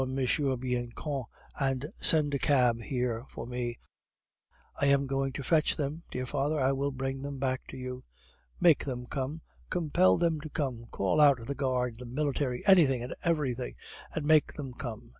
Bianchon, and send a cab here for me. I am going to fetch them, dear father; I will bring them back to you." "Make them come! Compel them to come! Call out the Guard, the military, anything and everything, but make them come!"